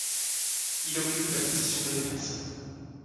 Il occupe la position de défenseur.